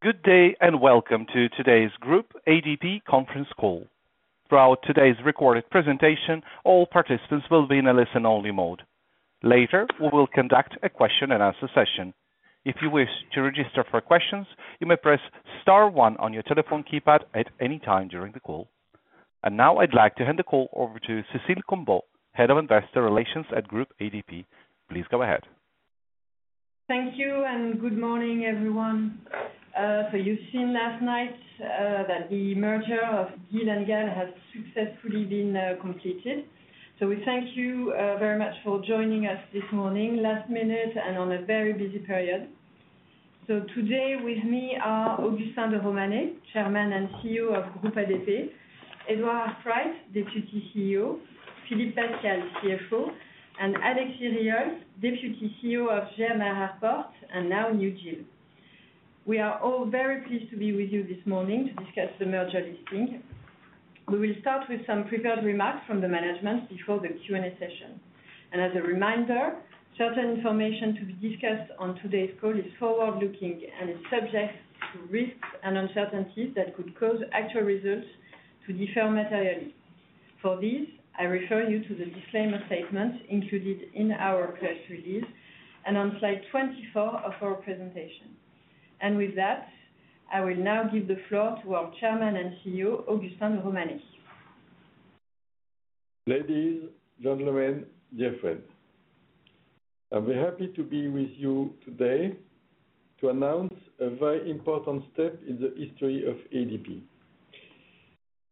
Good day, and welcome to today's Groupe ADP conference call. Throughout today's recorded presentation, all participants will be in a listen-only mode. Later, we will conduct a question and answer session. If you wish to register for questions, you may press star one on your telephone keypad at any time during the call. Now I'd like to hand the call over to Cécile Combeau, Head of Investor Relations at Groupe ADP. Please go ahead. Thank you, and good morning, everyone. So you've seen last night that the merger of GIL and GAL has successfully been completed. So we thank you very much for joining us this morning, last minute, and on a very busy period. So today with me are Augustin de Romanet, Chairman and CEO of Groupe ADP; Edward Arkwright, Deputy CEO; Philippe Pascal, CFO, and Alexis Riols, Deputy CEO of GMR Airports, and now New GIL. We are all very pleased to be with you this morning to discuss the merger listing. We will start with some prepared remarks from the management before the Q&A session. And as a reminder, certain information to be discussed on today's call is forward-looking and is subject to risks and uncertainties that could cause actual results to differ materially. For this, I refer you to the disclaimer statement included in our press release and on slide 24 of our presentation. With that, I will now give the floor to our Chairman and CEO, Augustin de Romanet. Ladies, gentlemen, dear friends, I'm very happy to be with you today to announce a very important step in the history of ADP.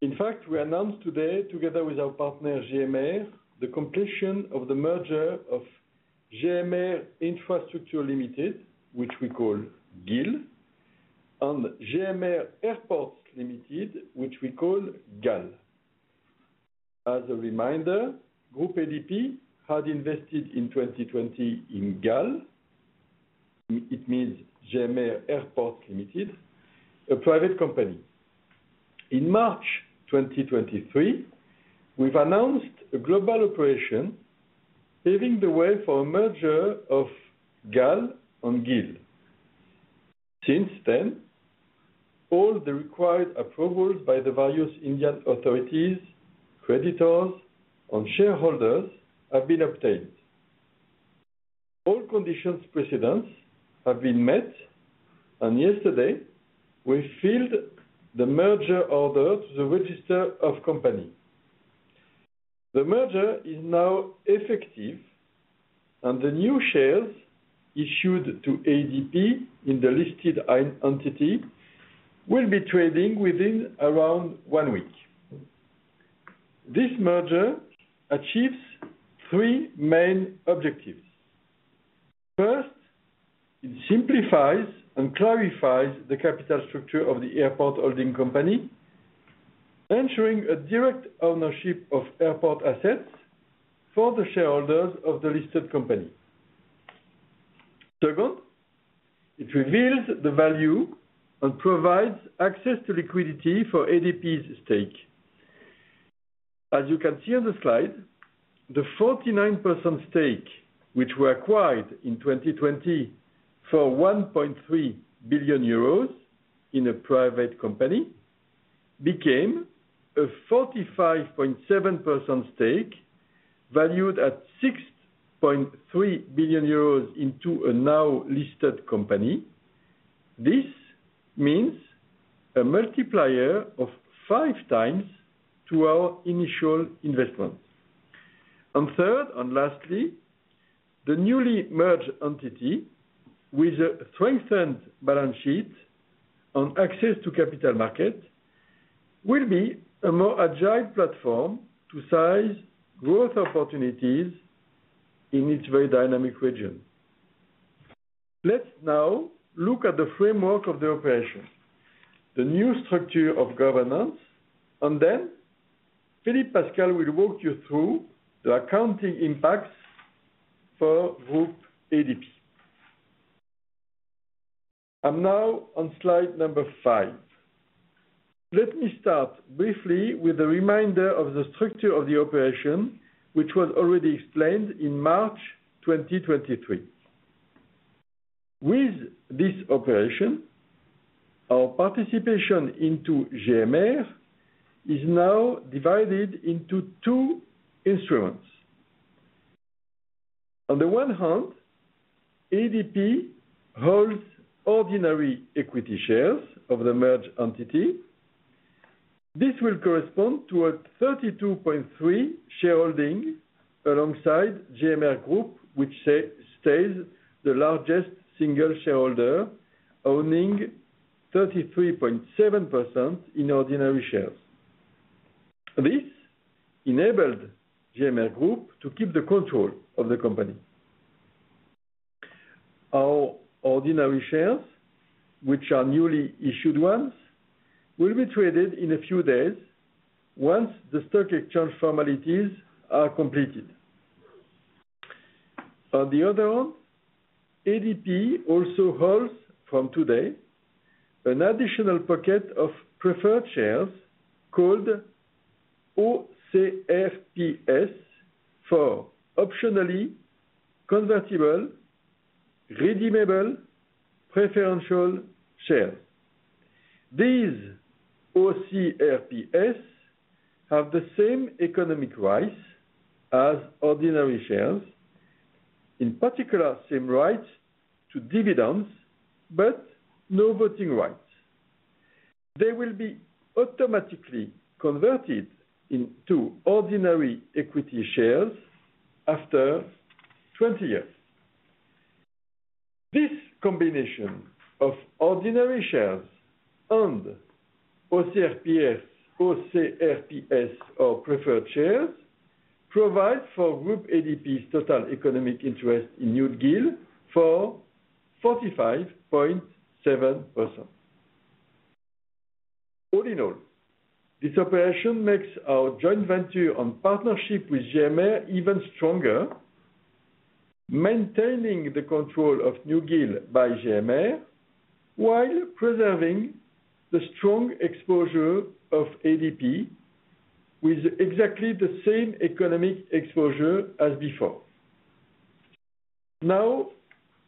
In fact, we announce today, together with our partner, GMR, the completion of the merger of GMR Airports Infrastructure Limited, which we call GIL, and GMR Airports Limited, which we call GAL. As a reminder, Groupe ADP had invested in 2020 in GAL, it, it means GMR Airports Limited, a private company. In March 2023, we've announced a global operation, paving the way for a merger of GAL and GIL. Since then, all the required approval by the various Indian authorities, creditors, and shareholders have been obtained. All conditions precedents have been met, and yesterday, we filed the merger order to the register of company. The merger is now effective, and the new shares issued to ADP in the listed entity will be trading within around 1 week. This merger achieves 3 main objectives. First, it simplifies and clarifies the capital structure of the airport holding company, ensuring a direct ownership of airport assets for the shareholders of the listed company. Second, it reveals the value and provides access to liquidity for ADP's stake. As you can see on the slide, the 49% stake, which we acquired in 2020 for 1.3 billion euros in a private company, became a 45.7% stake, valued at 6.3 billion euros into a now listed company. This means a multiplier of 5x to our initial investment. Third, and lastly, the newly merged entity, with a strengthened balance sheet and access to capital markets, will be a more agile platform to seize growth opportunities in its very dynamic region. Let's now look at the framework of the operation, the new structure of governance, and then Philippe Pascal will walk you through the accounting impacts for Groupe ADP. I'm now on slide number 5. Let me start briefly with a reminder of the structure of the operation, which was already explained in March 2023. With this operation, our participation into GMR is now divided into two instruments. On the one hand, ADP holds ordinary equity shares of the merged entity. This will correspond to a 32.3 shareholding alongside GMR Group, which stays the largest single shareholder, owning 33.7% in ordinary shares. This enabled GMR Group to keep the control of the company. Our ordinary shares, which are newly issued ones, will be traded in a few days once the stock exchange formalities are completed. On the other hand, Groupe ADP also holds, from today, an additional packet of preferred shares called OCRPS for optionally convertible redeemable preference shares. These OCRPS have the same economic rights as ordinary shares, in particular, same rights to dividends, but no voting rights. They will be automatically converted into ordinary equity shares after 20 years. This combination of ordinary shares and OCRPS, OCRPS or preferred shares, provide for Groupe ADP's total economic interest in New GIL for 45.7%. All in all, this operation makes our joint venture and partnership with GMR even stronger, maintaining the control of New GIL by GMR, while preserving the strong exposure of Groupe ADP with exactly the same economic exposure as before. Now,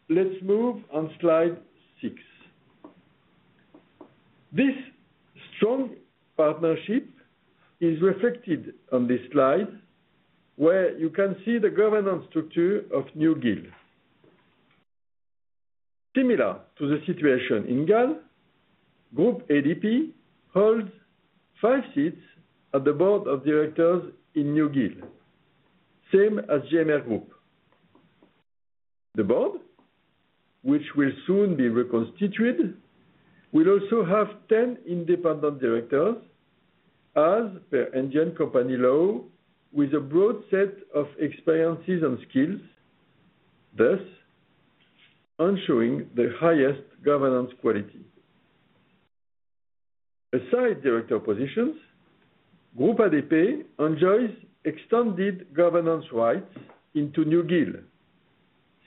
let's move on slide 6. This strong partnership is reflected on this slide, where you can see the governance structure of New GIL. Similar to the situation in GAL, Groupe ADP holds five seats at the board of directors in New GIL, same as GMR Group. The board, which will soon be reconstituted, will also have 10 independent directors, as per Indian company law, with a broad set of experiences and skills, thus ensuring the highest governance quality. Aside director positions, Groupe ADP enjoys extended governance rights into New GIL,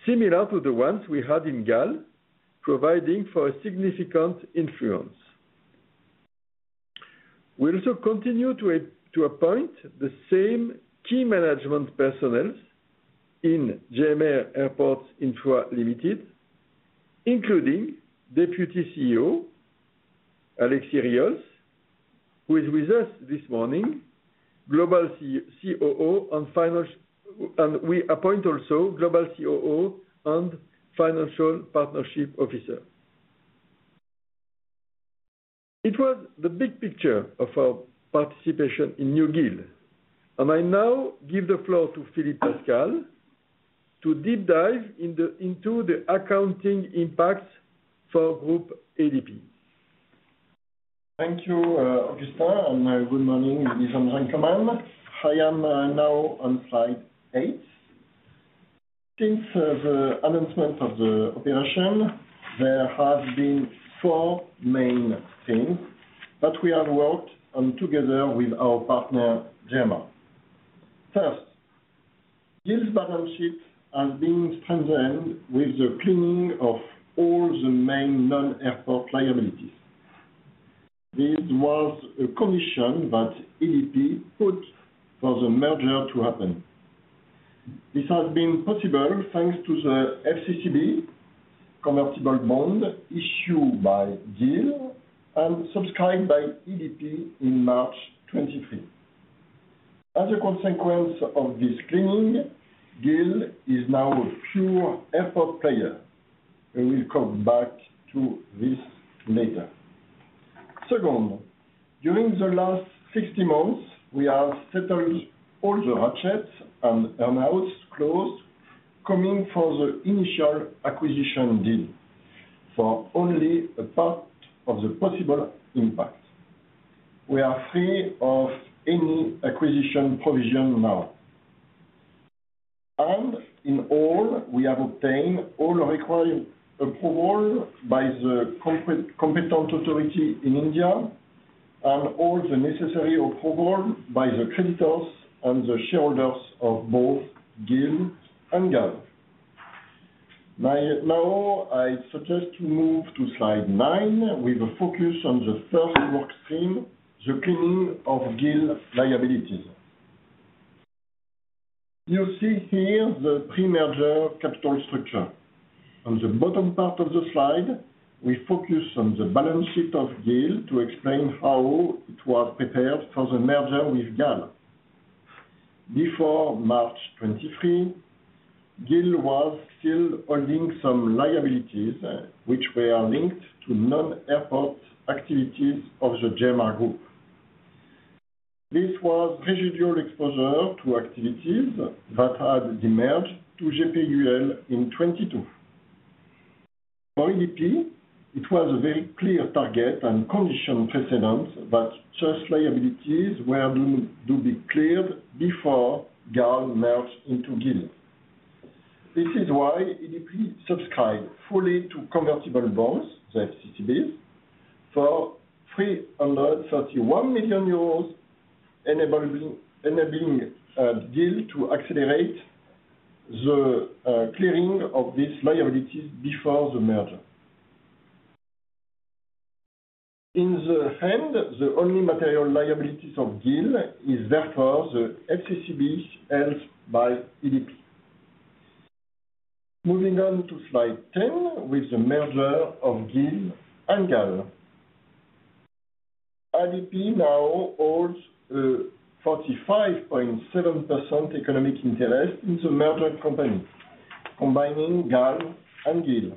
similar to the ones we had in GAL, providing for a significant influence. We also continue to appoint the same key management personnel in GMR Airports Infra Limited, including Deputy CEO, Alexis Riols, who is with us this morning, Global COO on finance, and we appoint also Global COO and Financial Partnership Officer. It was the big picture of our participation in New GIL, and I now give the floor to Philippe Pascal to deep dive into the accounting impacts for Groupe ADP. Thank you, Augustin, and good morning, ladies and gentlemen. I am now on slide 8. Since the announcement of the operation, there have been four main things that we have worked on together with our partner, GMR. First, GIL's balance sheet has been strengthened with the cleaning of all the main non-airport liabilities. This was a condition that ADP put for the merger to happen. This has been possible thanks to the FCCB convertible bond issued by GIL and subscribed by ADP in March 2023. As a consequence of this cleaning, GIL is now a pure airport player. I will come back to this later. Second, during the last 60 months, we have settled all the ratchets and earn-outs clause coming from the initial acquisition deal for only a part of the possible impact. We are free of any acquisition provision now. In all, we have obtained all required approval by the competent authority in India and all the necessary approval by the creditors and the shareholders of both GIL and GAL. Now, I suggest we move to slide 9, with a focus on the first work stream, the cleaning of GIL liabilities. You see here the pre-merger capital structure. On the bottom part of the slide, we focus on the balance sheet of GIL to explain how it was prepared for the merger with GAL. Before March 2023, GIL was still holding some liabilities, which were linked to non-airport activities of the GMR Group. This was residual exposure to activities that had demerged to GPUIL in 2022. For ADP, it was a very clear target and condition precedent that such liabilities were going to be cleared before GAL merged into GIL. This is why ADP subscribed fully to convertible bonds, the FCCBs, for 331 million euros, enabling GIL to accelerate the clearing of these liabilities before the merger. In the end, the only material liabilities of GIL is therefore the FCCB held by ADP. Moving on to slide 10, with the merger of GIL and GAL. ADP now holds 45.7% economic interest in the merger company, combining GAL and GIL.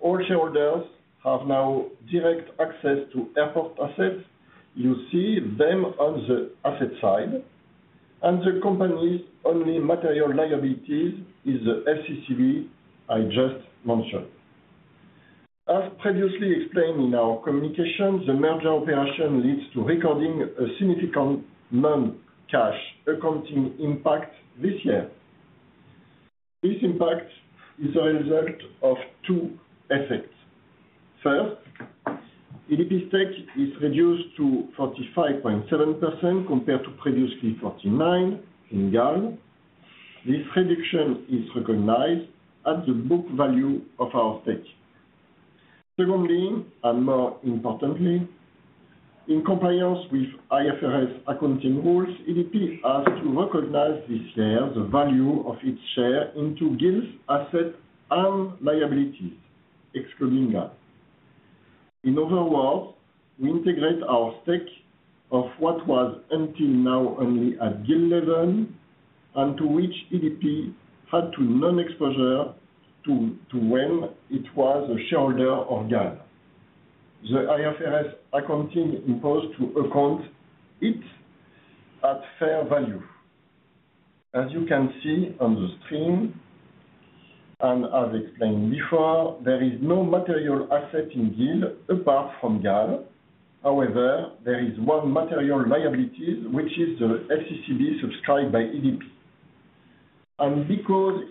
All shareholders have now direct access to airport assets. You see them on the asset side, and the company's only material liabilities is the FCCB I just mentioned. As previously explained in our communication, the merger operation leads to recording a significant non-cash accounting impact this year. This impact is a result of two effects. First, ADP stake is reduced to 45.7% compared to previously 49% in GAL. This reduction is recognized at the book value of our stake. Secondly, and more importantly, in compliance with IFRS accounting rules, ADP has to recognize this year the value of its share in GIL's assets and liabilities, excluding that. In other words, we integrate our stake of what was until now only at GIL level, and to which ADP had no exposure to, back when it was a shareholder of GAL. The IFRS accounting imposed to account it at fair value. As you can see on the screen, and as explained before, there is no material asset in GIL apart from GAL. However, there is one material liability, which is the FCCB subscribed by ADP. And because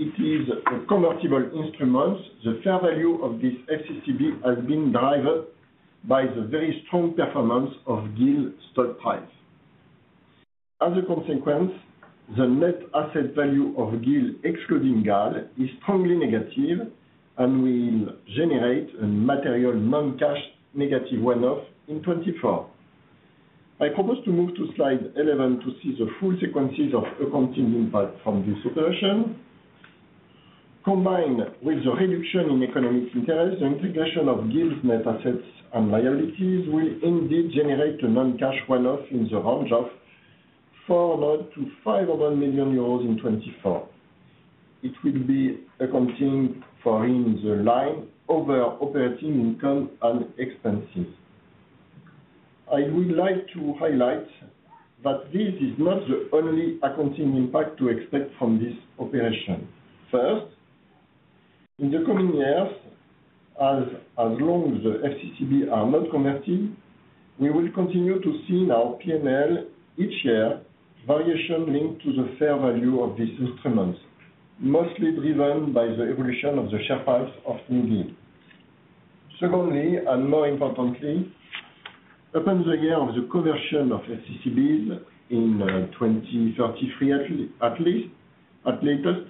it is a convertible instrument, the fair value of this FCCB has been driven by the very strong performance of GIL's stock price. As a consequence, the net asset value of GIL, excluding GAL, is strongly negative and will generate a material non-cash negative one-off in 2024. I propose to move to slide 11 to see the full sequences of accounting impact from this operation. Combined with the reduction in economic interest, the integration of GIL's net assets and liabilities will indeed generate a non-cash one-off in the range of 400 million-500 million euros in 2024. It will be accounting for in the line over operating income and expenses. I would like to highlight that this is not the only accounting impact to expect from this operation. First, in the coming years, as long as the FCCB are not converted, we will continue to see in our P&L each year, variation linked to the fair value of these instruments, mostly driven by the evolution of the share price of new GIL. Secondly, and more importantly, upon the year of the conversion of FCCBs in 2033, at least, at latest,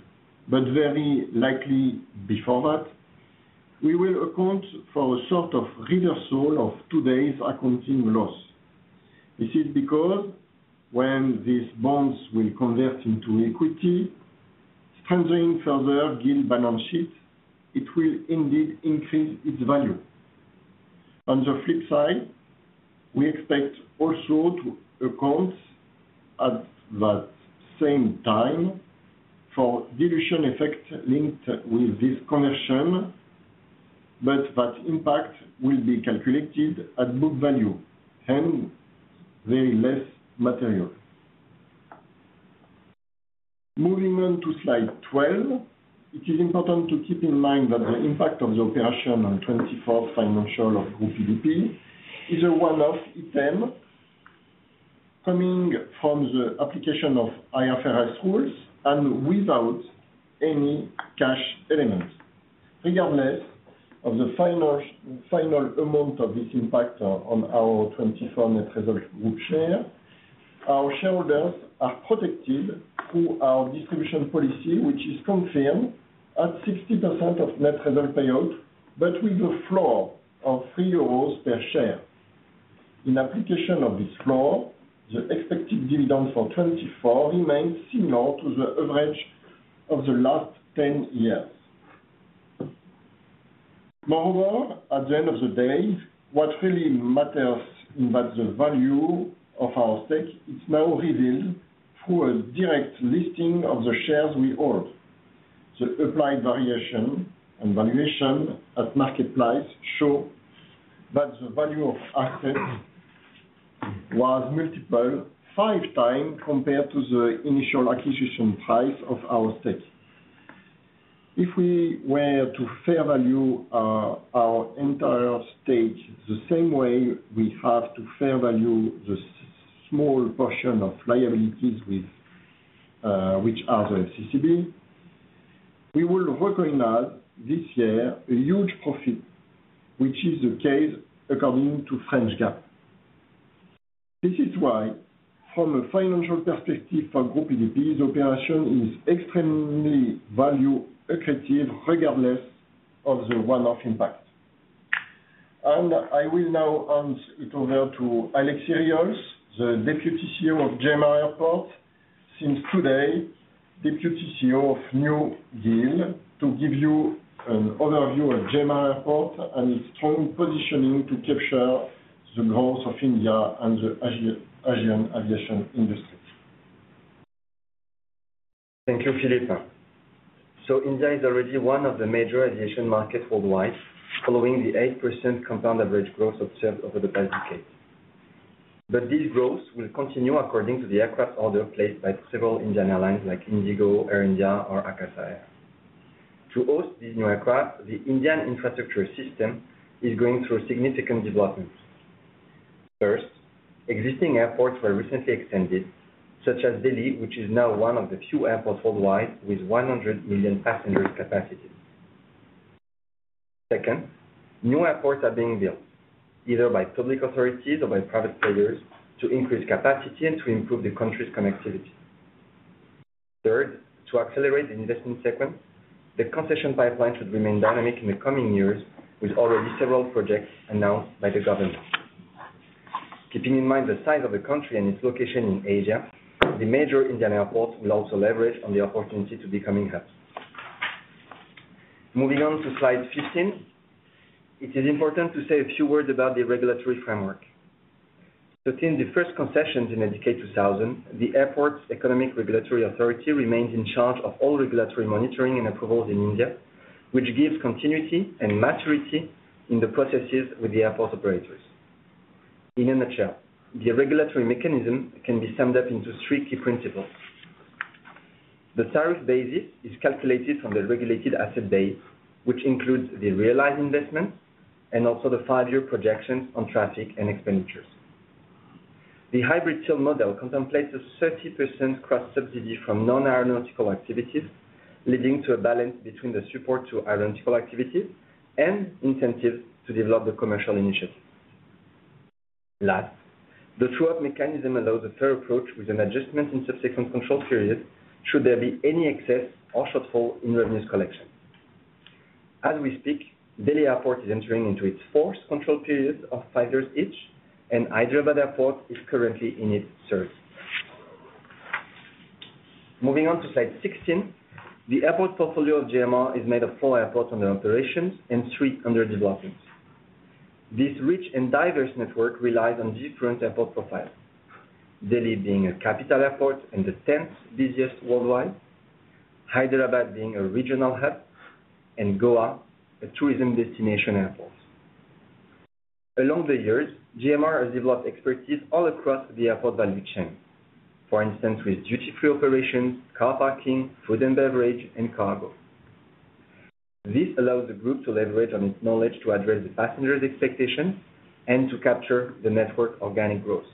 but very likely before that, we will account for a sort of reversal of today's accounting loss. This is because when these bonds will convert into equity, strengthening further GIL balance sheet, it will indeed increase its value. On the flip side, we expect also to account at that same time for dilution effect linked with this conversion, but that impact will be calculated at book value, and very less material. Moving on to slide 12. It is important to keep in mind that the impact of the operation on 2024 financials of Groupe ADP is a one-off item coming from the application of IFRS rules and without any cash element. Regardless of the final, final amount of this impact on our 2024 net result group share, our shareholders are protected through our distribution policy, which is confirmed at 60% of net result payout, but with a floor of 3 euros per share. In application of this floor, the expected dividend for 2024 remains similar to the average of the last 10 years. Moreover, at the end of the day, what really matters is that the value of our stake is now revealed through a direct listing of the shares we hold. The applied variation and valuation at market price show that the value of assets was multiple five times compared to the initial acquisition price of our stake. If we were to fair value our entire stake the same way we have to fair value the small portion of liabilities with which are the FCCB, we will recognize this year a huge profit, which is the case according to French GAAP... This is why, from a financial perspective for Groupe ADP's operation is extremely value accretive, regardless of the one-off impact. I will now hand it over to Alexis Riols, the Deputy CEO of GMR Airports, since today, Deputy CEO of New GIL, to give you an overview of GMR Airports and its strong positioning to capture the growth of India and the Asian aviation industry. Thank you, Philippe. So India is already one of the major aviation markets worldwide, following the 8% compound average growth observed over the past decade. But this growth will continue according to the aircraft order placed by several Indian airlines like IndiGo, Air India, or Akasa Air. To host these new aircraft, the Indian infrastructure system is going through significant developments. First, existing airports were recently extended, such as Delhi, which is now one of the few airports worldwide with 100 million passenger capacity. Second, new airports are being built, either by public authorities or by private players, to increase capacity and to improve the country's connectivity. Third, to accelerate the investment segment, the concession pipeline should remain dynamic in the coming years, with already several projects announced by the government. Keeping in mind the size of the country and its location in Asia, the major Indian airports will also leverage on the opportunity to becoming hubs. Moving on to slide 15, it is important to say a few words about the regulatory framework. Within the first concessions in the decade 2000, the Airport Economic Regulatory Authority remains in charge of all regulatory monitoring and approvals in India, which gives continuity and maturity in the processes with the airport operators. In a nutshell, the regulatory mechanism can be summed up into three key principles. The tariff basis is calculated from the regulated asset base, which includes the realized investments and also the five-year projections on traffic and expenditures. The hybrid till model contemplates a 30% cross-subsidy from non-aeronautical activities, leading to a balance between the support to aeronautical activities and incentives to develop the commercial initiatives. Last, the true-up mechanism allows a fair approach with an adjustment in subsequent control periods, should there be any excess or shortfall in revenues collection. As we speak, Delhi Airport is entering into its fourth control period of five years each, and Hyderabad Airport is currently in its third. Moving on to slide 16, the airport portfolio of GMR is made of four airports under operations and three under development. This rich and diverse network relies on different airport profiles. Delhi being a capital airport and the tenth busiest worldwide, and Hyderabad being a regional hub, and Goa, a tourism destination airport. Along the years, GMR has developed expertise all across the airport value chain. For instance, with duty-free operations, car parking, food and beverage, and cargo. This allows the group to leverage on its knowledge to address the passengers' expectations and to capture the network organic growth.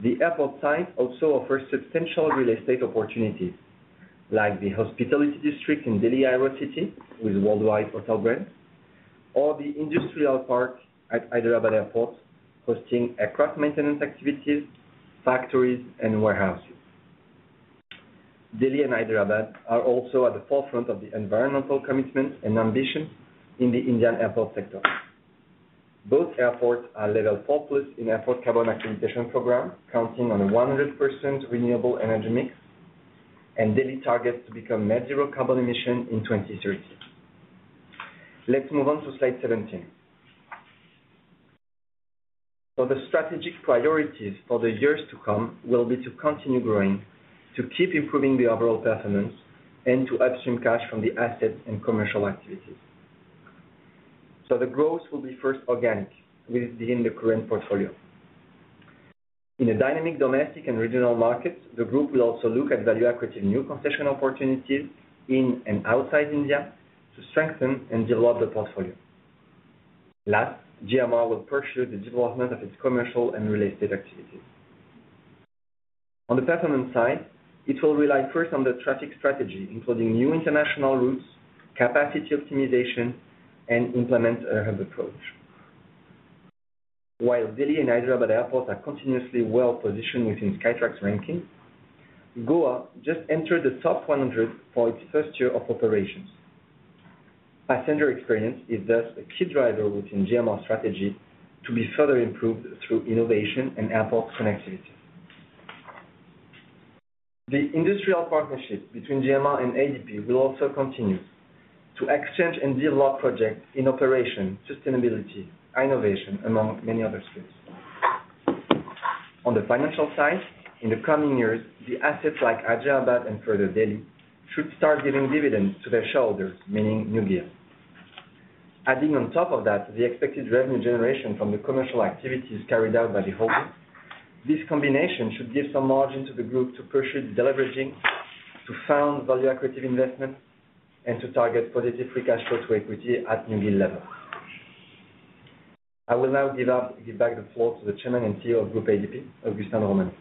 The airport site also offers substantial real estate opportunities, like the hospitality district in Delhi Aerocity, with worldwide hotel brands, or the industrial park at Hyderabad Airport, hosting aircraft maintenance activities, factories, and warehouses. Delhi and Hyderabad are also at the forefront of the environmental commitment and ambition in the Indian airport sector. Both airports are Level 4+ in Airport Carbon Accreditation program, counting on 100% renewable energy mix, and Delhi targets to become net zero carbon emission in 2030. Let's move on to slide 17. So the strategic priorities for the years to come will be to continue growing, to keep improving the overall performance, and to upstream cash from the assets and commercial activities. So the growth will be first organic, within the current portfolio. In dynamic domestic and regional markets, the group will also look at value accretive new concession opportunities in and outside India, to strengthen and develop the portfolio. Last, GMR will pursue the development of its commercial and real estate activities. On the performance side, it will rely first on the traffic strategy, including new international routes, capacity optimization, and implement a hub approach. While Delhi and Hyderabad airports are continuously well-positioned within Skytrax ranking, Goa just entered the top 100 for its first year of operations. Passenger experience is thus a key driver within GMR strategy to be further improved through innovation and airport connectivity. The industrial partnership between GMR and ADP will also continue to exchange and develop projects in operation, sustainability, innovation, among many other spaces. On the financial side, in the coming years, the assets like Hyderabad and further Delhi should start giving dividends to their shareholders, meaning New GIL. Adding on top of that, the expected revenue generation from the commercial activities carried out by the holder, this combination should give some margin to the group to pursue deleveraging, to fund value accretive investment, and to target positive free cash flow to equity at New GIL level. I will now give back the floor to the Chairman and CEO of Groupe ADP, Augustin de Romanet....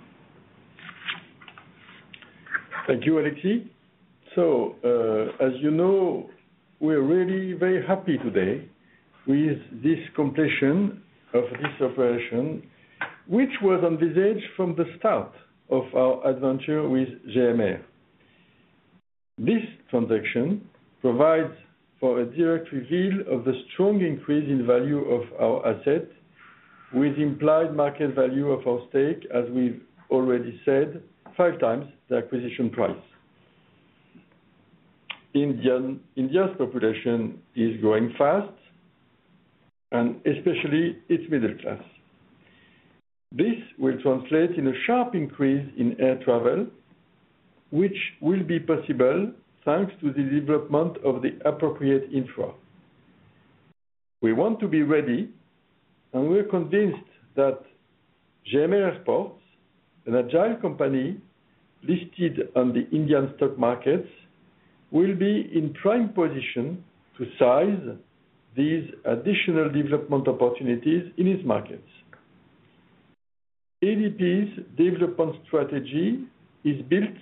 Thank you, Alexis. So, as you know, we are really very happy today with this completion of this operation, which was envisaged from the start of our adventure with GMR. This transaction provides for a direct reveal of the strong increase in value of our asset, with implied market value of our stake, as we've already said, five times the acquisition price. India's population is growing fast, and especially its middle class. This will translate in a sharp increase in air travel, which will be possible thanks to the development of the appropriate infra. We want to be ready, and we are convinced that GMR Airports, an agile company listed on the Indian stock markets, will be in prime position to size these additional development opportunities in its markets. ADP's development strategy is built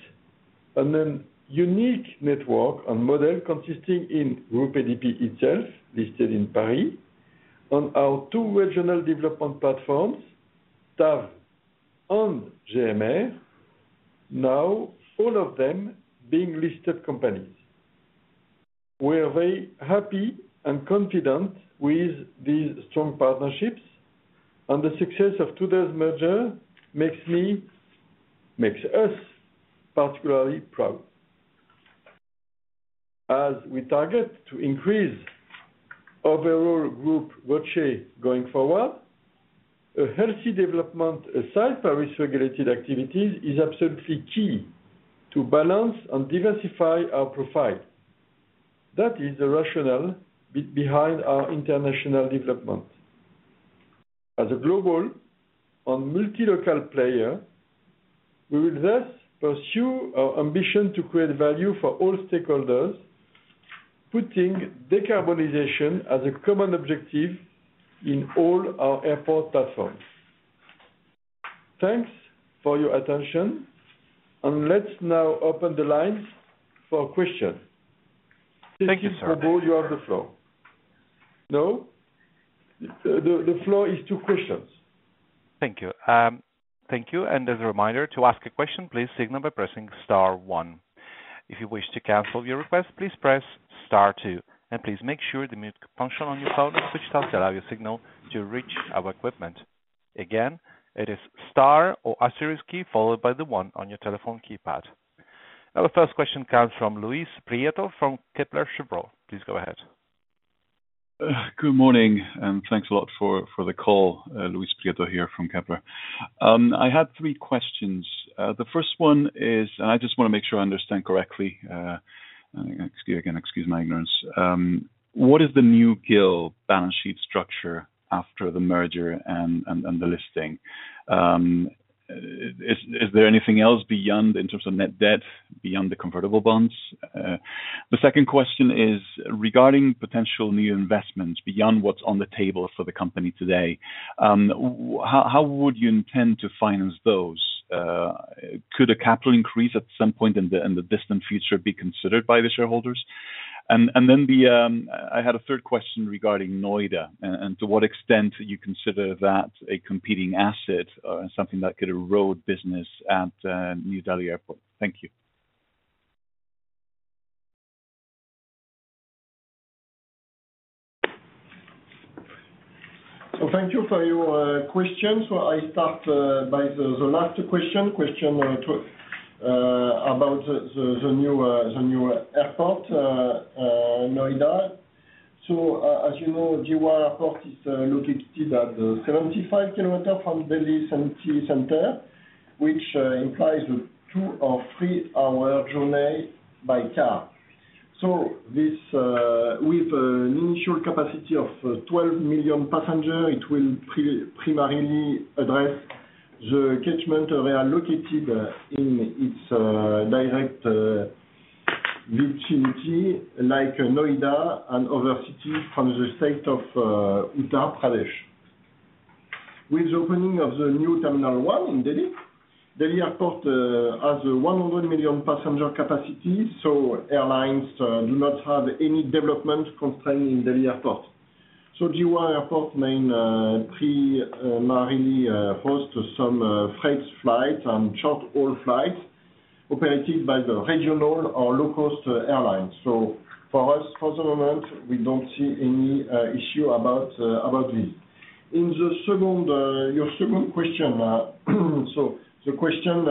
on a unique network and model consisting in Groupe ADP itself, listed in Paris, on our two regional development platforms, TAV and GMR, now all of them being listed companies. We are very happy and confident with these strong partnerships, and the success of today's merger makes me, makes us particularly proud. As we target to increase overall group going forward, a healthy development aside Paris-regulated activities is absolutely key to balance and diversify our profile. That is the rationale behind our international development. As a global and multi-local player, we will thus pursue our ambition to create value for all stakeholders, putting decarbonization as a common objective in all our airport platforms. Thanks for your attention, and let's now open the lines for questions. Thank you, sir. You have the floor. No? The floor is to questions. Thank you. Thank you, and as a reminder, to ask a question, please signal by pressing star one. If you wish to cancel your request, please press star two, and please make sure the mute function on your phone is switched off to allow your signal to reach our equipment. Again, it is star or asterisk key, followed by the one on your telephone keypad. Our first question comes from Luis Prieto from Kepler Cheuvreux. Please go ahead. Good morning, and thanks a lot for the call. Luis Prieto here from Kepler. I had three questions. The first one is, and I just wanna make sure I understand correctly, excuse—again, excuse my ignorance. What is the new GIL balance sheet structure after the merger and the listing? Is there anything else beyond, in terms of net debt, beyond the convertible bonds? The second question is regarding potential new investments beyond what's on the table for the company today, how would you intend to finance those? Could a capital increase at some point in the distant future be considered by the shareholders? And then I had a third question regarding Noida, and to what extent you consider that a competing asset or something that could erode business at New Delhi Airport? Thank you. So thank you for your questions. I start by the last question about the new airport Noida. So as you know, GMR Airport is located at 75 kilometers from Delhi city center, which implies a 2- or 3-hour journey by car. This, with an initial capacity of 12 million passengers, it will primarily address the catchment area located in its direct vicinity, like Noida and other cities from the state of Uttar Pradesh. With the opening of the new Terminal 1 in Delhi, Delhi Airport has a 100 million passenger capacity, so airlines do not have any development contained in Delhi Airport. So GMR Airports mainly primarily hosts some freight flights and short-haul flights operated by the regional or low-cost airlines. So for us, for the moment, we don't see any issue about about this. In the second, your second question, so the question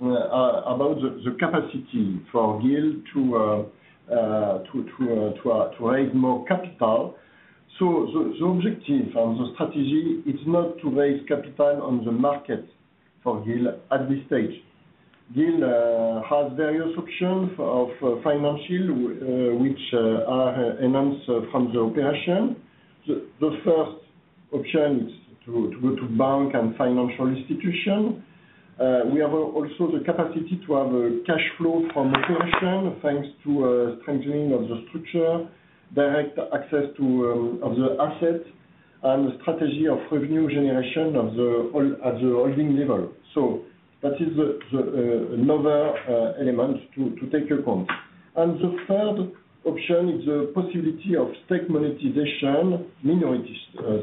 about the the capacity for GIL to to raise more capital. So the objective and the strategy is not to raise capital on the market for GIL at this stage. GIL has various options of financial which are enhanced from the operation. The first option is to to go to bank and financial institution. We have also the capacity to have a cash flow from operation, thanks to a strengthening of the structure, direct access to of the assets.... and the strategy of revenue generation of the, on, at the holding level. So that is the another element to take account. And the third option is the possibility of stake monetization, minority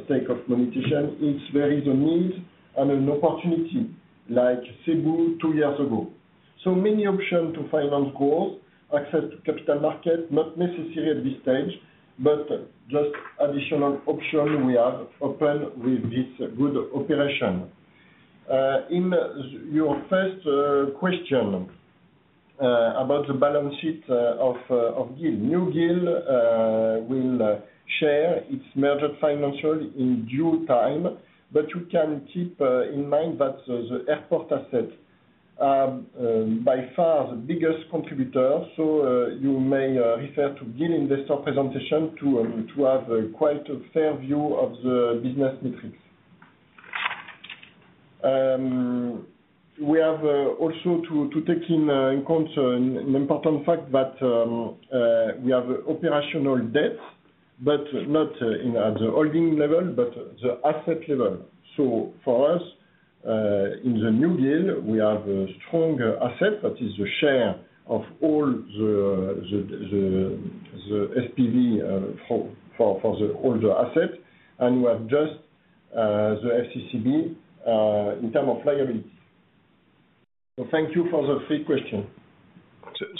stake monetization, if there is a need and an opportunity, like Cebu two years ago. So many options to finance growth, access to capital market, not necessary at this stage, but just additional option we have open with this good operation. In your first question about the balance sheet of GIL. New GIL will share its merger financial in due time, but you can keep in mind that the airport assets are by far the biggest contributor. So you may refer to GIL investor presentation to have quite a fair view of the business metrics. We have also to take into account an important fact that we have operational debt, but not at the holding level, but the asset level. So for us, in the new GIL, we have a stronger asset that is a share of all the SPV for all the assets, and we have just the FCCB in terms of liabilities. So thank you for the three questions.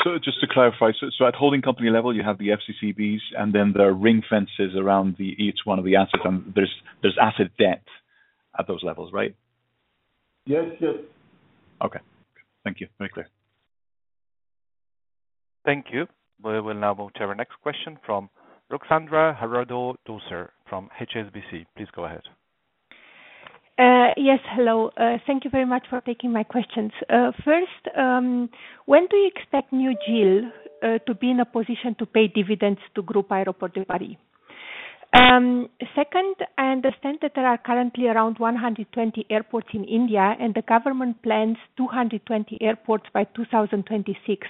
So, just to clarify, at holding company level, you have the FCCBs, and then there are ring fences around each one of the assets. There's asset debt at those levels, right? Yes, yes. Okay. Thank you. Very clear. Thank you. We will now move to our next question from Ruxandra Haradau-Döser from HSBC. Please go ahead. Yes, hello. Thank you very much for taking my questions. First, when do you expect New GIL to be in a position to pay dividends to Groupe ADP? Second, I understand that there are currently around 120 airports in India, and the government plans 220 airports by 2026.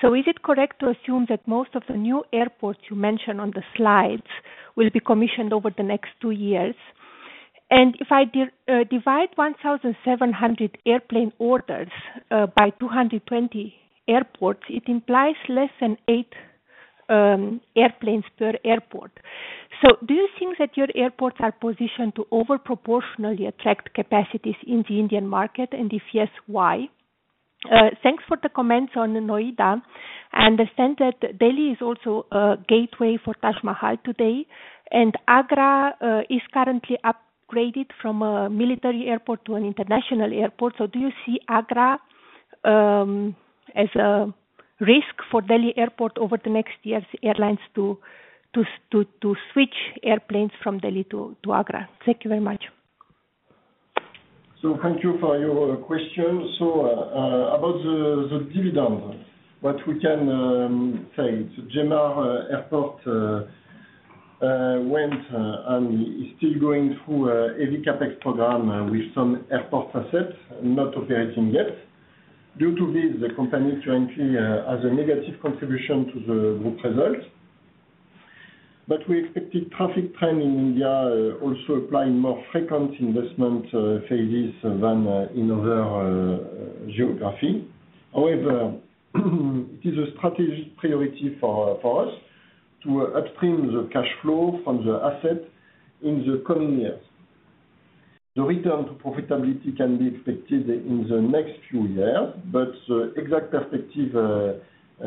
So is it correct to assume that most of the new airports you mention on the slides will be commissioned over the next two years? And if I divide 1,700 airplane orders by 220 airports, it implies less than eight airplanes per airport. So do you think that your airports are positioned to over proportionally attract capacities in the Indian market? And if yes, why? Thanks for the comments on Noida. I understand that Delhi is also a gateway for Taj Mahal today, and Agra is currently upgraded from a military airport to an international airport. So do you see Agra as a risk for Delhi Airport over the next years, airlines to switch airplanes from Delhi to Agra? Thank you very much. So thank you for your question. About the dividend, what we can say, so GMR Airports went and is still going through a heavy CapEx program with some airport assets not operating yet. Due to this, the company currently has a negative contribution to the group results. But we expected traffic trend in India also applying more frequent investment phases than in other geographies. However, it is a strategic priority for us to upstream the cash flow from the asset in the coming years. The return to profitability can be expected in the next few years, but the exact perspective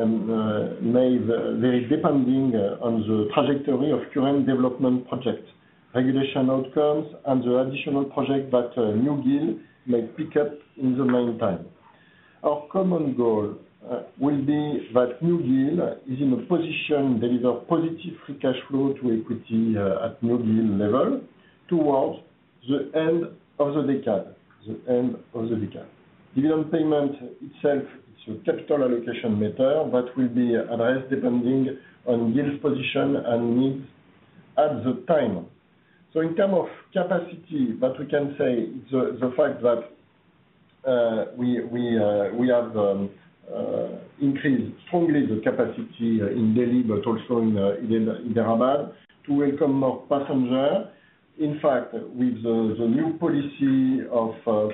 may vary depending on the trajectory of current development project, regulation outcomes, and the additional project that New GIL may pick up in the meantime. Our common goal will be that New GIL is in a position deliver positive free cash flow to equity at New GIL level, towards the end of the decade. The end of the decade. Dividend payment itself is a capital allocation matter that will be addressed depending on GIL's position and needs at the time. So in term of capacity, what we can say is the fact that we have increased strongly the capacity in Delhi, but also in Hyderabad, to welcome more passenger. In fact, with the new policy of,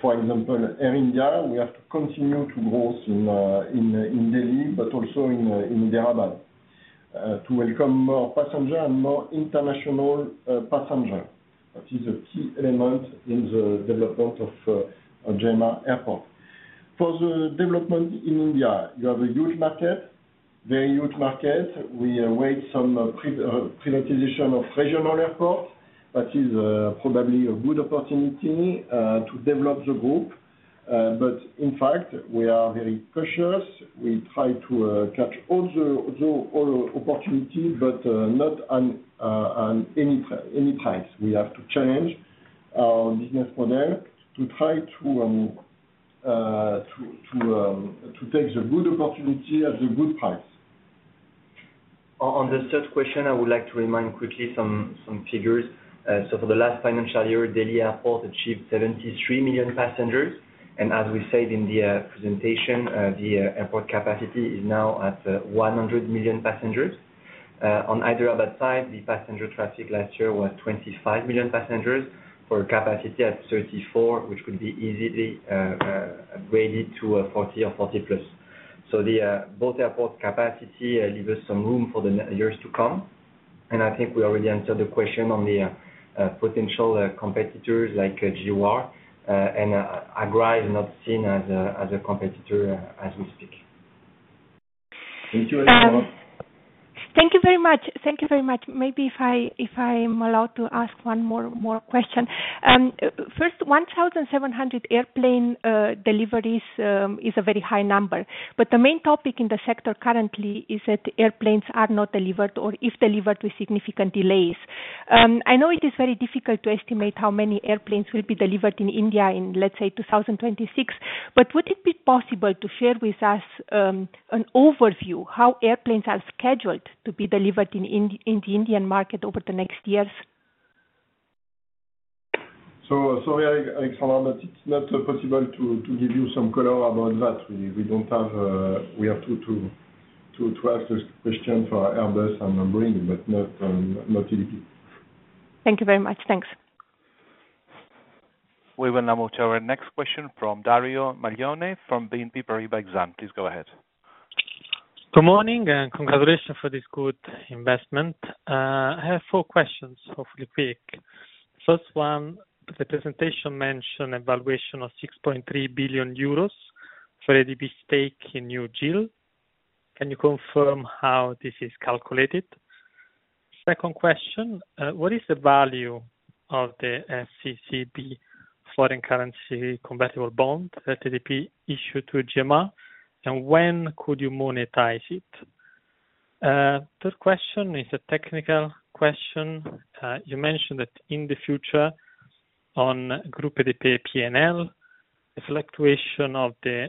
for example, Air India, we have to continue to grow in Delhi, but also in Hyderabad, to welcome more passenger and more international passenger. That is a key element in the development of GMR Airport. For the development in India, you have a huge market, very huge market. We await some pre-position of regional airport. That is probably a good opportunity to develop the group. But in fact, we are very cautious. We try to catch all the opportunities, but not on any price. We have to change our business model to try to take the good opportunity at the good price. On the third question, I would like to remind quickly some figures. So for the last financial year, Delhi Airport achieved 73 million passengers, and as we said in the presentation, the airport capacity is now at 100 million passengers. On the other side, the passenger traffic last year was 25 million passengers for a capacity at 34, which could be easily upgraded to 40 or 40 plus. So both airport capacity leave us some room for the next years to come, and I think we already answered the question on the potential competitors like GMR. And Agra is not seen as a competitor as we speak. Thank you very much. Thank you very much. Maybe if I, if I'm allowed to ask one more question. First, 1,700 airplane deliveries is a very high number, but the main topic in the sector currently is that airplanes are not delivered or if delivered with significant delays. I know it is very difficult to estimate how many airplanes will be delivered in India in, let's say, 2026, but would it be possible to share with us an overview how airplanes are scheduled to be delivered in the Indian market over the next years? So sorry, Ruxandra, but it's not possible to give you some color about that. We don't have... We have to ask this question for Airbus and Boeing, but not ADP. Thank you very much. Thanks. We will now move to our next question from Dario Maglione, from BNP Paribas Exane. Please go ahead. Good morning, and congratulations for this good investment. I have four questions, hopefully quick. First one, the presentation mentioned valuation of 6.3 billion euros for ADP stake in New GIL. Can you confirm how this is calculated? Second question, what is the value of the FCCB foreign currency convertible bond that ADP issued to GMR, and when could you monetize it? Third question is a technical question. You mentioned that in the future, on Group ADP P&L, the fluctuation of the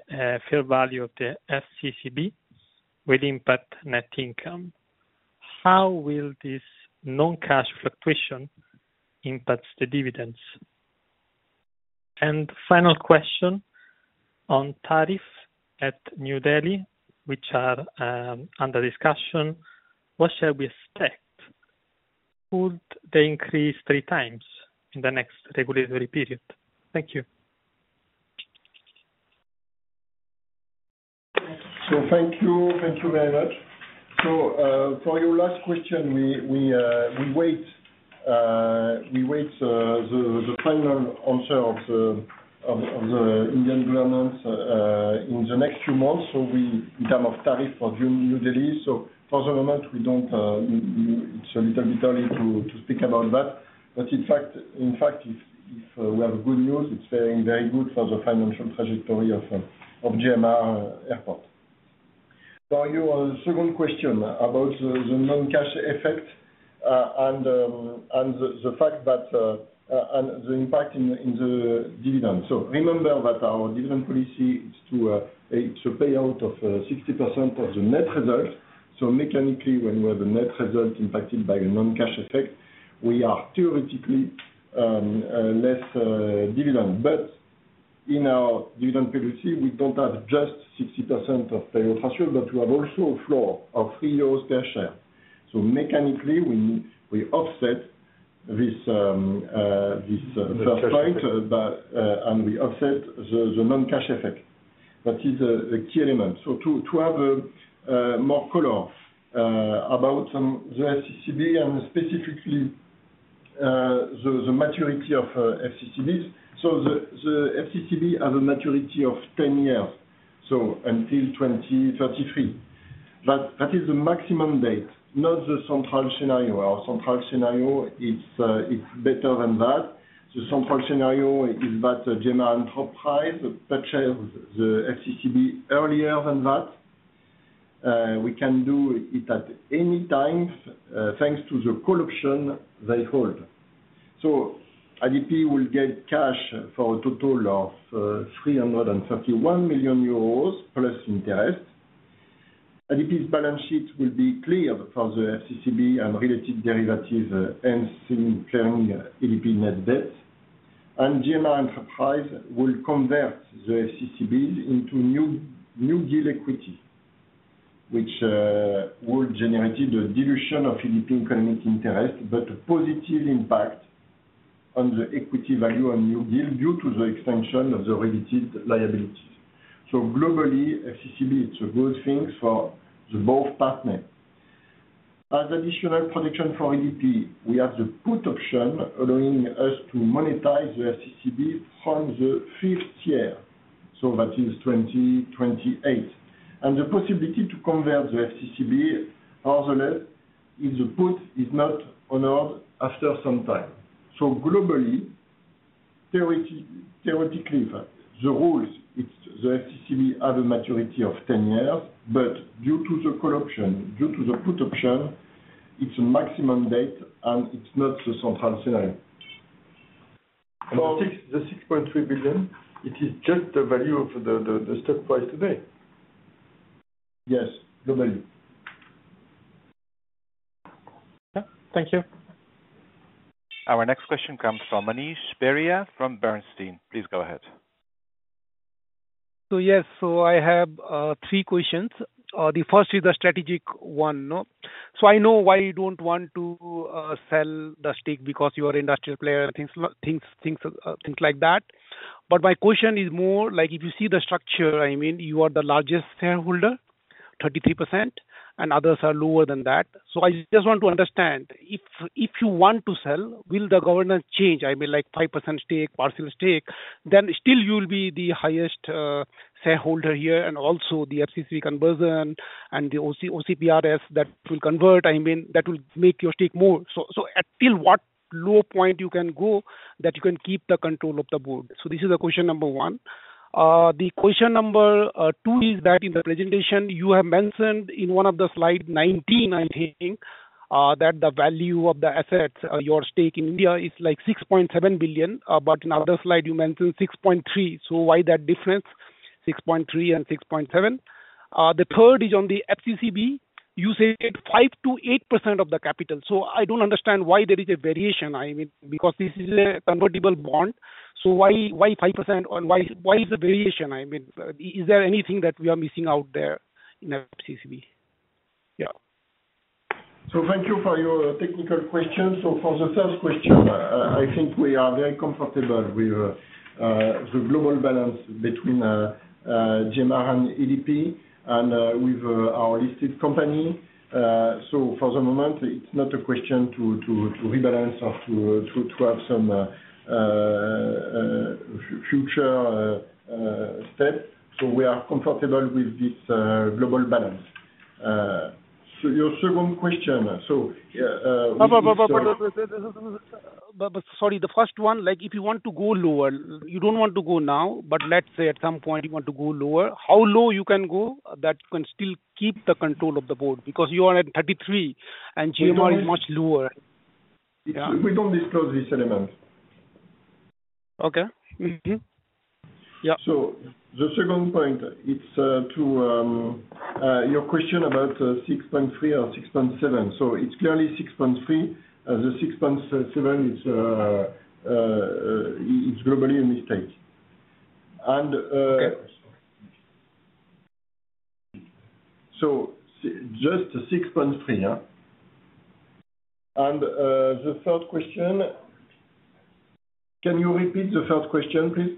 fair value of the FCCB will impact net income. How will this non-cash fluctuation impacts the dividends? And final question on tariff at New Delhi, which are under discussion. What shall we expect? Could they increase three times in the next regulatory period? Thank you. So thank you. Thank you very much. So, for your last question, we await the final answer of the Indian government in the next few months, so, in terms of tariff for New Delhi. So for the moment, it's a little bit early to speak about that. But in fact, if we have good news, it's very good for the financial trajectory of GMR Airports. So your second question about the non-cash effect and the impact on the dividend. So remember that our dividend policy is a payout of 60% of the net results. So mechanically, when we have the net result impacted by a non-cash effect, we are theoretically, less dividend. But in our dividend policy, we don't have just 60% of payout ratio, but we have also a flow of 3 euros per share. So mechanically, we, we offset this, this, first point, but, and we offset the, the non-cash effect. That is, a key element. So to, to have, more color, about the FCCB and specifically, the, the maturity of, FCCBs. So the FCCB have a maturity of 10 years, so until 2033. But that is the maximum date, not the central scenario. Our central scenario it's, it's better than that. The central scenario is that GMR enterprise purchase the FCCB earlier than that. We can do it at any time, thanks to the call option they hold. So ADP will get cash for a total of 331 million euros plus interest. ADP's balance sheet will be clear for the FCCB and related derivatives, and clearing ADP net debt. And GMR enterprise will convert the FCCBs into New GIL equity, which will generate the dilution of ADP economic interest, but a positive impact on the equity value on New GIL due to the extension of the related liabilities. So globally, FCCB, it's a good thing for both partners. As additional protection for ADP, we have the put option allowing us to monetize the FCCB from the fifth year, so that is 2028. And the possibility to convert the FCCB otherwise, if the put is not honored after some time. Globally, theoretically, the rules, it's the FCCB have a maturity of 10 years, but due to the call option, due to the put option, it's a maximum date, and it's not the central scenario. The 6.3 billion, it is just the value of the stock price today? Yes, the value. Yeah. Thank you. Our next question comes from Manish Beria, from Bernstein. Please go ahead. ... So yes, so I have three questions. The first is the strategic one, no? So I know why you don't want to sell the stake because you are industrial player, things, things, things, things like that. But my question is more like if you see the structure, I mean, you are the largest shareholder, 33%, and others are lower than that. So I just want to understand, if you want to sell, will the governance change? I mean, like 5% stake, partial stake, then still you'll be the highest shareholder here, and also the FCC conversion and the OCRPS that will convert, I mean, that will make your stake more. So, so at still what low point you can go, that you can keep the control of the board? So this is the question number one. The question number two is that in the presentation you have mentioned in one of the slide 19, I'm hearing that the value of the assets, your stake in India, is like 6.7 billion. But in other slide you mentioned 6.3 billion. So why that difference, 6.3 billion and 6.7 billion? The third is on the FCCB. You said 5%-8% of the capital, so I don't understand why there is a variation. I mean, because this is a convertible bond, so why 5%? And why is the variation? I mean, is there anything that we are missing out there in FCCB? Yeah. So thank you for your technical question. So for the first question, I think we are very comfortable with the global balance between GMR and ADP, and with our listed company. So for the moment, it's not a question to rebalance or to have some future step. So we are comfortable with this global balance. So your second question, so Sorry, the first one, like, if you want to go lower, you don't want to go now, but let's say at some point you want to go lower, how low you can go that you can still keep the control of the board? Because you are at 33, and GMR is much lower. We don't disclose this element. Okay. Mm-hmm. Yeah. So the second point, it's to your question about 6.3 or 6.7. So it's clearly 6.3, the 6.7 it's globally in this stage. And- Okay. So just 6.3? And, the third question, can you repeat the third question, please?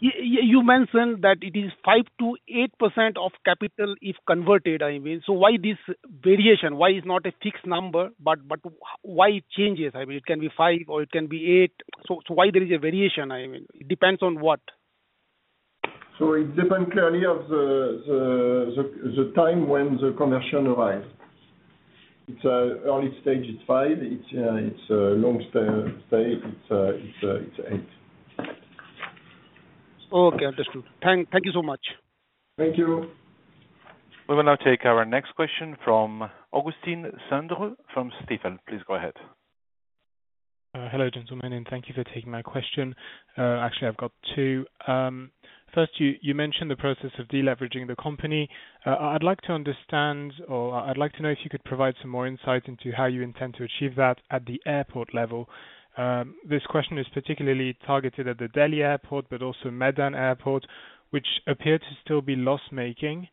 You mentioned that it is 5%-8% of capital if converted, I mean. So why this variation? Why is not a fixed number, but why it changes? I mean, it can be 5% or it can be 8%, so why there is a variation, I mean? It depends on what? So it depends clearly on the time when the conversion arrives. It's early stage, it's five. It's eight. Okay, understood. Thank you so much. Thank you. We will now take our next question from Augustin Cendre, from Stifel. Please go ahead. Hello, gentlemen, and thank you for taking my question. Actually, I've got two. First, you mentioned the process of deleveraging the company. I'd like to understand, or I'd like to know if you could provide some more insight into how you intend to achieve that at the airport level. This question is particularly targeted at the Delhi Airport, but also Medan Airport, which appeared to still be loss-making.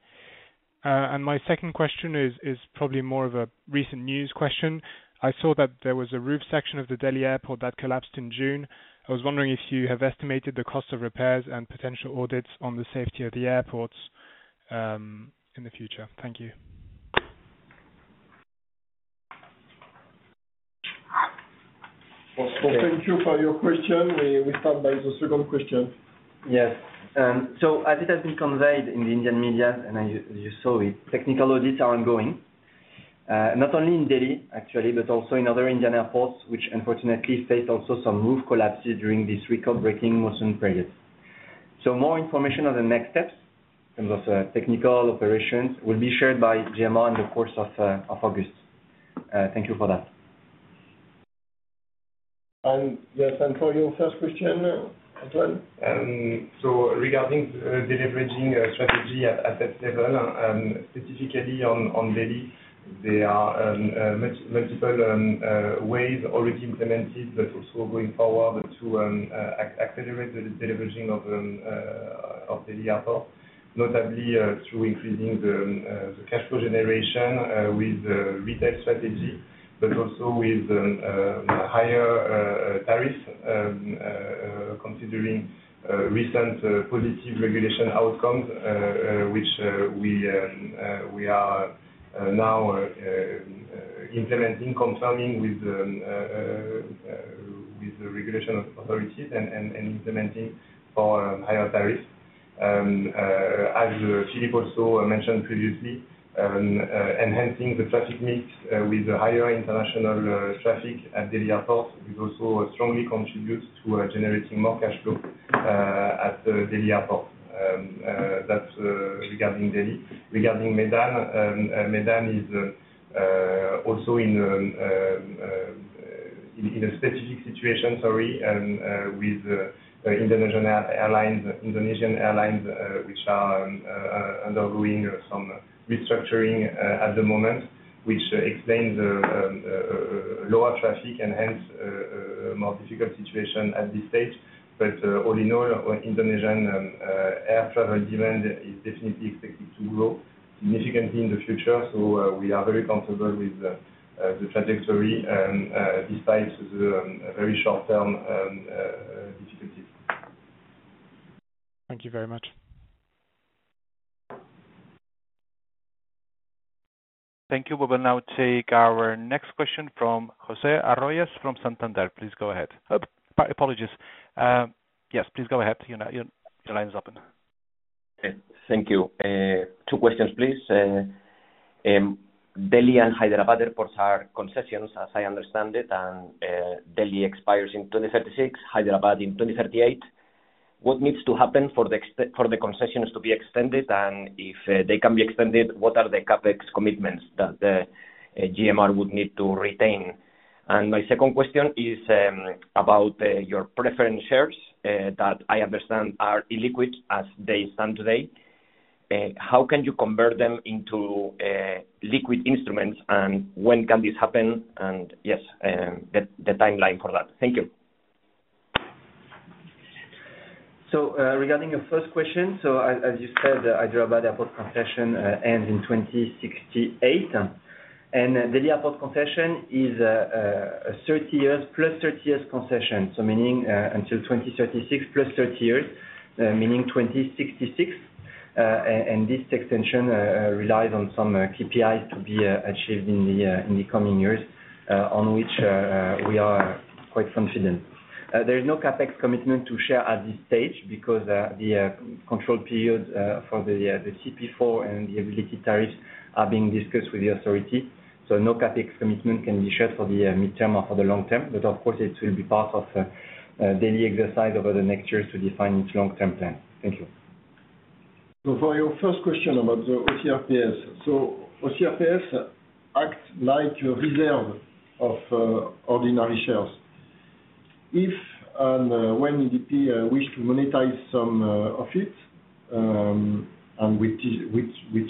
And my second question is probably more of a recent news question. I saw that there was a roof section of the Delhi Airport that collapsed in June. I was wondering if you have estimated the cost of repairs and potential audits on the safety of the airports, in the future. Thank you. Well, thank you for your question. We start by the second question. Yes. So as it has been conveyed in the Indian media, and as you, you saw it, technical audits are ongoing, not only in Delhi, actually, but also in other Indian airports, which unfortunately faced also some roof collapses during this record-breaking monsoon period. So more information on the next steps, in terms of technical operations, will be shared by GMR in the course of August. Thank you for that. And yes, and for your first question, Antoine? So regarding deleveraging strategy at that level, specifically on Delhi, there are multiple ways already implemented, but also going forward to accelerate the deleveraging of Delhi Airport. Notably, through increasing the cash flow generation with the retail strategy, but also with higher tariffs, considering recent positive regulatory outcomes, which we are now implementing, confirming with the regulatory authorities and implementing for higher tariffs. As Philippe also mentioned previously, enhancing the traffic mix with the higher international traffic at Delhi Airport, which also strongly contributes to generating more cash flow at the Delhi Airport. That's regarding Delhi. Regarding Medan, Medan is also in.... in a specific situation, sorry, with the Indonesian Airlines, which are undergoing some restructuring at the moment, which explains the lower traffic and hence more difficult situation at this stage. But all in all, Indonesian air travel demand is definitely expected to grow significantly in the future. So we are very comfortable with the trajectory, and despite the very short term difficulty. Thank you very much. Thank you. We will now take our next question from José Arroyas from Santander. Please go ahead. Oh, my apologies, yes, please go ahead. Your line is open. Okay, thank you. Two questions, please. Delhi and Hyderabad airports are concessions, as I understand it, and Delhi expires in 2036, Hyderabad in 2038. What needs to happen for the concessions to be extended? And if they can be extended, what are the CapEx commitments that the GMR would need to retain? And my second question is about your preference shares that I understand are illiquid as they stand today. How can you convert them into liquid instruments? And when can this happen, and yes, the timeline for that? Thank you. So, regarding your first question, so as you said, Hyderabad airport concession ends in 2068, and Delhi airport concession is 30 years, plus 30 years concession. So meaning, until 2036, plus 30 years, meaning 2066. And this extension relies on some KPIs to be achieved in the coming years, on which we are quite confident. There is no CapEx commitment to share at this stage because the control period for the CP4 and the aeronautical tariffs are being discussed with the authority. So no CapEx commitment can be shared for the midterm or for the long term, but of course, it will be part of a daily exercise over the next years to define its long-term plan. Thank you. So for your first question about the OCRPS. OCRPS act like a reserve of ordinary shares. If and when ADP wish to monetize some of it, and which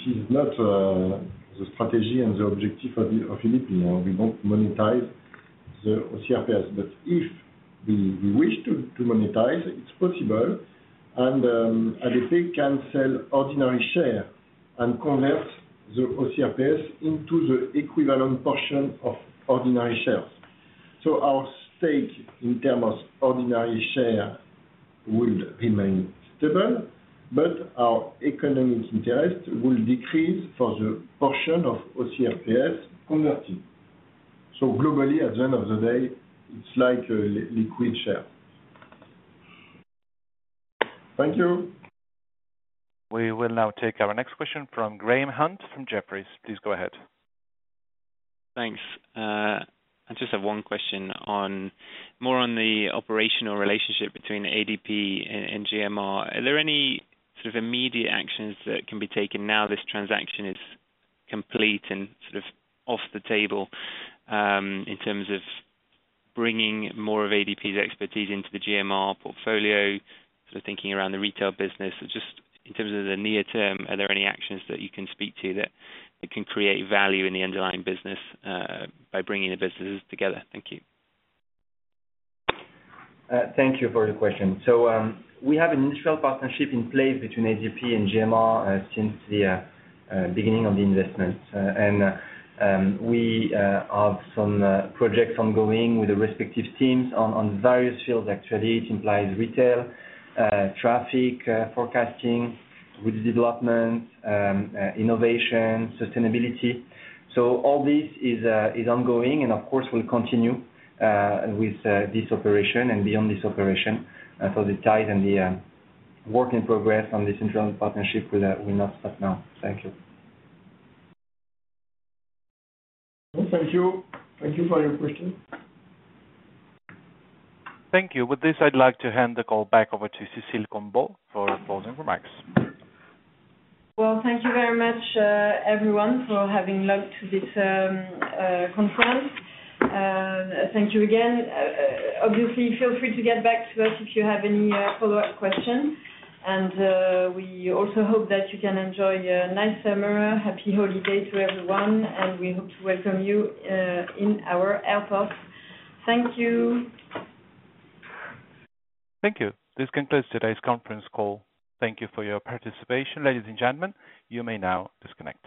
is not the strategy and the objective of ADP, we don't monetize the OCRPS. But if we wish to monetize, it's possible, and ADP can sell ordinary share and convert the OCRPS into the equivalent portion of ordinary shares. So our stake in terms of ordinary share will remain stable, but our economic interest will decrease for the portion of OCRPS converted. So globally, at the end of the day, it's like a liquid share. Thank you. We will now take our next question from Graham Hunt, from Jefferies. Please go ahead. Thanks. I just have one question on more on the operational relationship between ADP and and GMR. Are there any sort of immediate actions that can be taken now this transaction is complete and sort of off the table in terms of bringing more of ADP's expertise into the GMR portfolio? Sort of thinking around the retail business, just in terms of the near term, are there any actions that you can speak to that can create value in the underlying business by bringing the businesses together? Thank you. Thank you for the question. So, we have an initial partnership in place between ADP and GMR, since the beginning of the investment. And, we have some projects ongoing with the respective teams on various fields. Actually, it implies retail, traffic, forecasting with development, innovation, sustainability. So all this is ongoing, and of course, will continue with this operation and beyond this operation. So the ties and the work in progress on this internal partnership will not stop now. Thank you. Thank you. Thank you for your question. Thank you. With this, I'd like to hand the call back over to Cécile Combeau for closing remarks. Well, thank you very much, everyone, for having logged to this conference. Thank you again. Obviously, feel free to get back to us if you have any follow-up questions. And, we also hope that you can enjoy a nice summer. Happy holiday to everyone, and we hope to welcome you in our airport. Thank you. Thank you. This concludes today's conference call. Thank you for your participation, ladies and gentlemen. You may now disconnect.